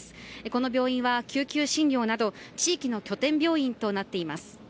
この病院は救急診療など地域の拠点病院となっています。